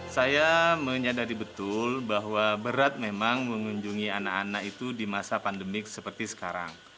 saya menyadari betul bahwa berat memang mengunjungi anak anak itu di masa pandemi seperti sekarang